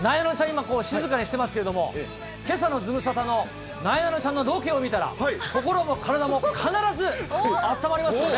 今、静かにしてますけども、なえなのちゃんのロケを見たら、心も体も必ずあったまりますよね。